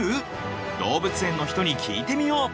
動物園の人に聞いてみよう！